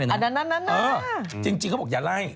เออจริงเค้าบอกอย่าไล่